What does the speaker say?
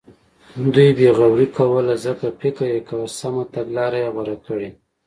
دوی بې غوري کوله ځکه فکر یې کاوه سمه تګلاره یې غوره کړې.